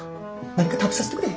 何か食べさせてくれ。